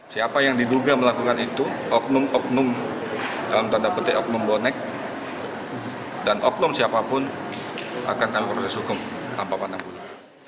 siapa yang diduga melakukan itu oknum oknum dalam tanda penting oknum bonek dan oknum siapapun akan terlalu berhubungan dengan hukum tanpa panah bunuh